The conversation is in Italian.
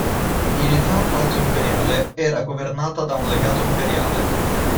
In età alto-imperiale era governata da un legato imperiale.